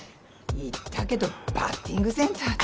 言ったけどバッティングセンターって。